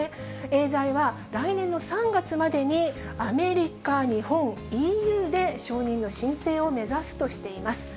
エーザイは、来年の３月までにアメリカ、日本、ＥＵで承認の申請を目指すとしています。